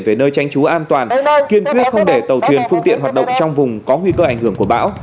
về nơi tránh trú an toàn kiên quyết không để tàu thuyền phương tiện hoạt động trong vùng có nguy cơ ảnh hưởng của bão